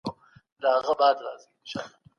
بهرنۍ تګلاره د باور پرته دوامداره نه وي.